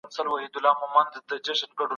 په تحقیق کې باید هر ډول اسناد وکارول سی.